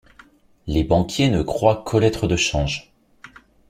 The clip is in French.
Les banquiers ne croient qu’aux lettres de change.